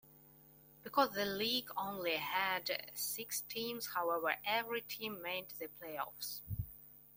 Because the league only had six teams, however, every team made the playoffs.